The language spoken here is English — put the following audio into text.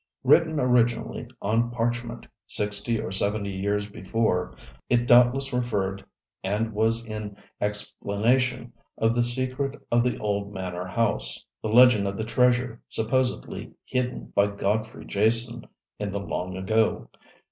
Written originally on parchment, sixty or seventy years before, it doubtless referred and was in explanation of the secret of the old manor house the legend of the treasure, supposedly hidden by Godfrey Jason in the long ago.